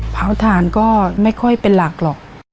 เผาถ่านก็ไม่ค่อยเป็นหลักหรอก